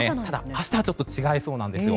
明日はちょっと違いそうなんですよ。